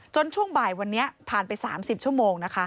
ช่วงบ่ายวันนี้ผ่านไป๓๐ชั่วโมงนะคะ